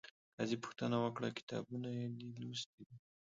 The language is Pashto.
قاضي پوښتنه وکړه، کتابونه یې دې لوستي؟